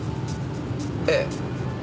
ええ。